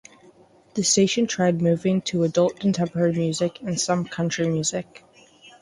The station tried moving to adult contemporary music and some country music.